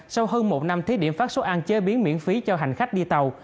sau hơn một năm thí điểm phát số ăn chế biến miễn phí cho hành khách đi tàu